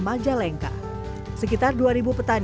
masyarakat yang kemudian membutuhkan rentuan